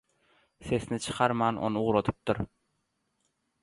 sеsini çykarman оny ugradypdyr.